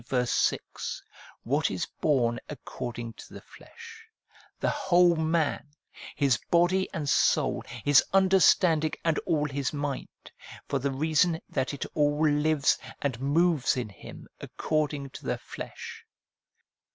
6, what is born according to the flesh, the whole man, his body and soul, his understanding and all his mind, for the reason that it all lives and moves in him according to the flesh.